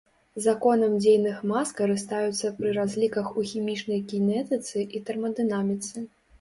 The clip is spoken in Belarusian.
Законам дзейных мас карыстаюцца пры разліках у хімічнай кінетыцы і тэрмадынаміцы.